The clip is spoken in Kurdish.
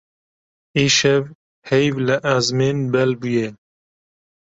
Îşev heyv li ezmên bel bûye.